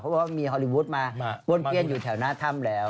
เพราะว่ามีฮอลลีวูดมาป้วนเปี้ยนอยู่แถวหน้าถ้ำแล้ว